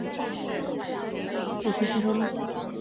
屈武遂受命。